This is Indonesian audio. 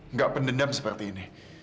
nggak pendendam seperti ini